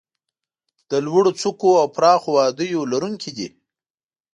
د لوړو څوکو او پراخو وادیو لرونکي دي.